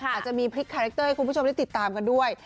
อาจจะมีพลิกคาแรคเตอร์ให้คุณผู้ชมได้ติดตามกันด้วย